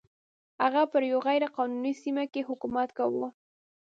هغه پر یوې غیر قانوني سیمه کې حکومت کاوه.